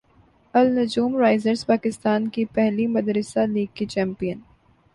النجوم risers Pakistan کی پہلی مدرسہ لیگ کی چیمپیئن